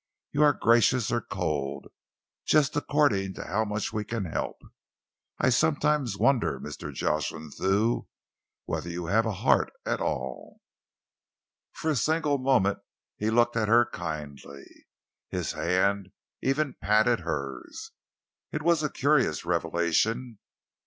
You are gracious or cold, just according to how much we can help. I sometimes wonder, Mr. Jocelyn Thew, whether you have a heart at all." For a single moment he looked at her kindly. His hand even patted hers. It was a curious revelation.